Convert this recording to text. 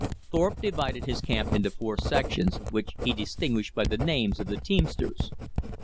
Thorpe divided his camp into four sections, which he distinguished by the names of the teamsters.